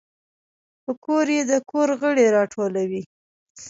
پکورې د کور غړي راټولوي